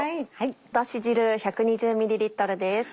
だし汁１２０ｍです。